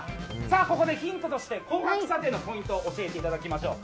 ここでヒントとしまして高額査定のポイント教えていただきましょう。